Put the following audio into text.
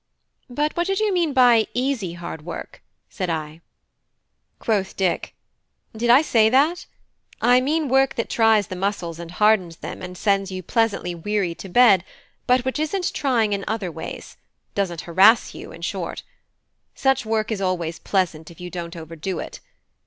"But what did you mean by easy hard work?" said I. Quoth Dick: "Did I say that? I mean work that tries the muscles and hardens them and sends you pleasantly weary to bed, but which isn't trying in other ways: doesn't harass you in short. Such work is always pleasant if you don't overdo it.